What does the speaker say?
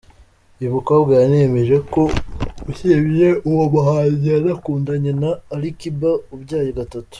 Uyu mukobwa yanemeje ko usibye uwo muhanzi yanakundanye na Alikiba ubyaye gatatu.